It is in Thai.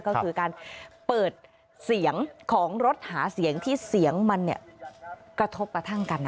ก็คือการเปิดเสียงของรถหาเสียงที่เสียงมันกระทบกระทั่งกัน